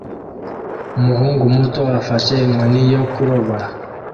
Umuhungu muto afashe inkoni yo kuroba